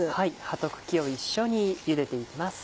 葉と茎を一緒にゆでて行きます。